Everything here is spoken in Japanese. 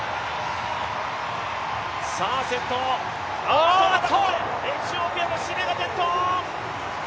先頭エチオピアのシメが転倒！